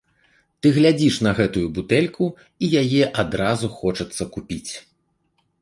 Ты глядзіш на гэтую бутэльку, і яе адразу хочацца купіць.